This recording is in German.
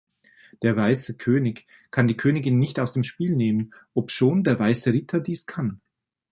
Der weiße König kann die Königin nicht aus dem Spiel nehmen, obschon der weiße Ritter dies kann.